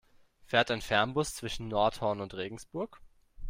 Fährt ein Fernbus zwischen Nordhorn und Regensburg?